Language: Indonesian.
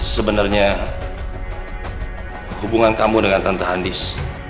sebenernya hubungan kamu dengan tante andis